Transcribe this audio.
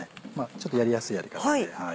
ちょっとやりやすいやり方で。